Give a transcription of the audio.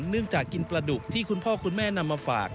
เนื่องจากกินปลาดุกที่คุณพ่อคุณแม่นำมาฝาก